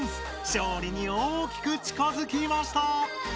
勝利に大きくちかづきました！